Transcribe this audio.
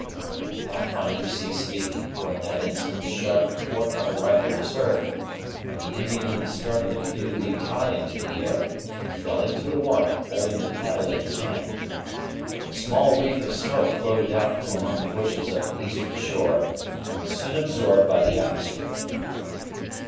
The Pathfinder ceased speaking; for at that instant the sharp report of a rifle was heard, when the Indian in the stern of the canoe leaped high into the air, and fell into the water, holding the paddle in his hand. A small wreath of smoke floated out from among the bushes of the eastern shore, and was soon absorbed by the atmosphere.